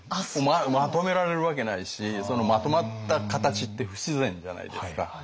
まとめられるわけないしまとまった形って不自然じゃないですか。